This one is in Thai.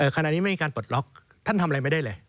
ขณะนี้ไม่มีการปลดล็อกท่านทำอะไรไม่ได้เลย